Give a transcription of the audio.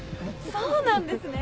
そうなんですね。